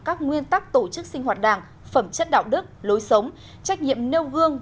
các nguyên tắc tổ chức sinh hoạt đảng phẩm chất đạo đức lối sống trách nhiệm nêu gương